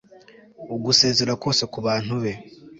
Ugusezera kwose ku bantu be